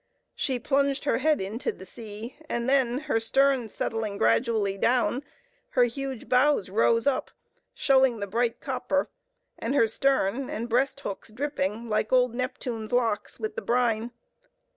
She plunged her head into the sea, and then, her stern settling gradually down, her huge bows rose up, showing the bright copper, and her stern, and breast hooks dripping, like old Neptune's locks, with the brine.